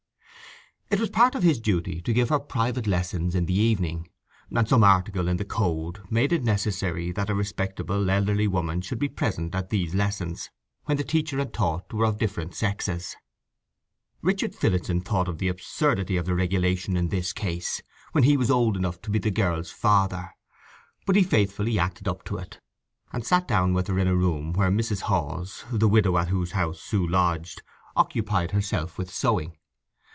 It was part of his duty to give her private lessons in the evening, and some article in the Code made it necessary that a respectable, elderly woman should be present at these lessons when the teacher and the taught were of different sexes. Richard Phillotson thought of the absurdity of the regulation in this case, when he was old enough to be the girl's father; but he faithfully acted up to it; and sat down with her in a room where Mrs. Hawes, the widow at whose house Sue lodged, occupied herself with sewing.